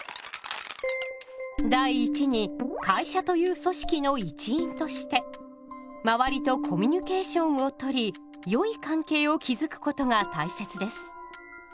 第１に会社という組織の一員としてまわりとコミュニケーションをとりよい関係を築くことが大切です。